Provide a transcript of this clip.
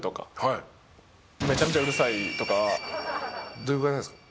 どれぐらいなんですか？